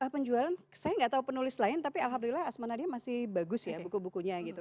penjualan saya nggak tahu penulis lain tapi alhamdulillah asma nadia masih bagus ya buku bukunya gitu